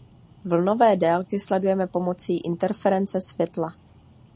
Vlnové délky sledujeme pomocí interference světla.